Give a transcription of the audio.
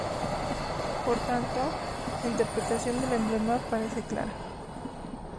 Por tanto, la interpretación del emblema parece clara.